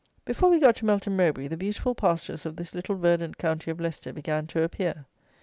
Before we got to Melton Mowbray the beautiful pastures of this little verdant county of Leicester began to appear.